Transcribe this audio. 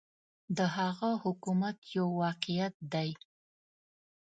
د هغه حکومت یو واقعیت دی.